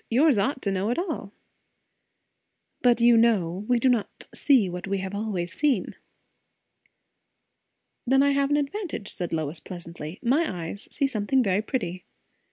"Yours ought to know it all." "But you know, we do not see what we have always seen." "Then I have an advantage," said Lois pleasantly. "My eyes see something very pretty."